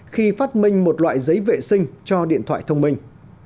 khi phát minh một loại giấy vệ sinh cho điện thoại thông minh